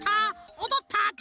おどった！